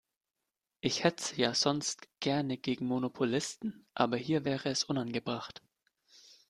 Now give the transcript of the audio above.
Ich hetze ja sonst gerne gegen Monopolisten, aber hier wäre es unangebracht.